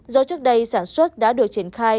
do trước đây sản xuất đã được triển khai